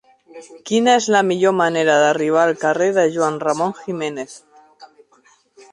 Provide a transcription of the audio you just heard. Quina és la millor manera d'arribar al carrer de Juan Ramón Jiménez?